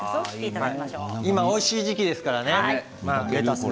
今おいしい時期ですからね。